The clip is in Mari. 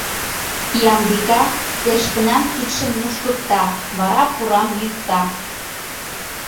Ямбика Эшкынан кидшым мушкыкта, вара пурам йӱкта.